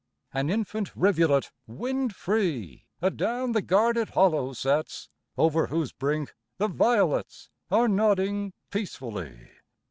An infant rivulet wind free Adown the guarded hollow sets, Over whose brink the violets Are nodding peacefully.